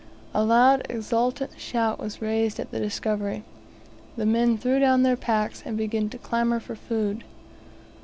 A loud exultant shout was raised at the discovery. The men threw down their packs, and began to clamour for food.